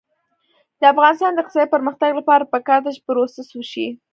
د افغانستان د اقتصادي پرمختګ لپاره پکار ده چې پروسس وشي.